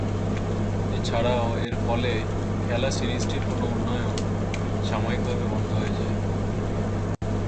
এছাড়াও, এর ফলে খেলা সিরিজটির কোন উন্নয়ন সাময়িকভাবে বন্ধ হয়ে যায়।